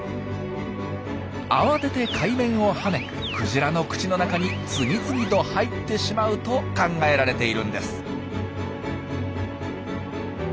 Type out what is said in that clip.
慌てて海面を跳ねクジラの口の中に次々と入ってしまうと考えられているんです。